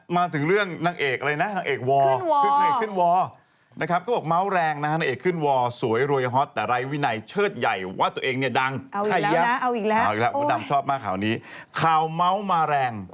มาถึงเรื่องนางเอกอะไรนะนางเอกวอร์